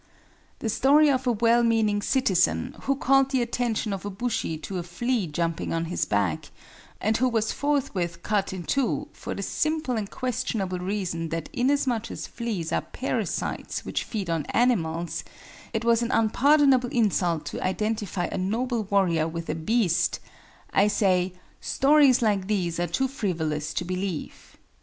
The story of a well meaning citizen who called the attention of a bushi to a flea jumping on his back, and who was forthwith cut in two, for the simple and questionable reason that inasmuch as fleas are parasites which feed on animals, it was an unpardonable insult to identify a noble warrior with a beast—I say, stories like these are too frivolous to believe.